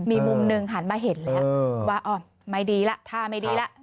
มีมุมหนึ่งหันมาเห็นแล้วว่าไม่ดีแล้วท่าไม่ดีแล้ว